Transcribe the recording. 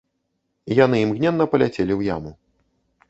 Яны імгненна паляцелі ў яму.